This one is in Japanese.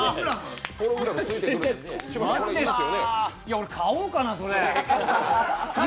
俺、買おうかな、それ。